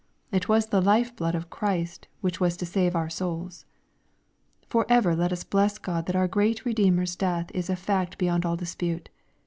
It was the life blood of Christ which was to save our souls. For ever let us bless God that our great Bedeemer's death is a fact beyond all dispute.